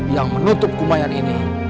yang menutup kumayan ini